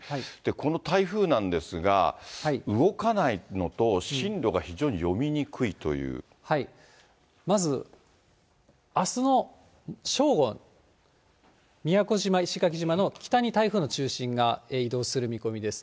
この台風なんですが、動かないのと、まず、あすの正午、宮古島、石垣島の北に台風の中心が移動する見込みです。